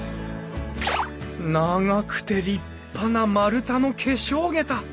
長くて立派な丸太の化粧桁！